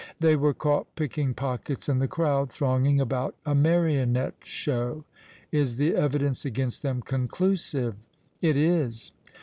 "They were caught picking pockets in the crowd thronging about a marionette show." "Is the evidence against them conclusive?" "It is."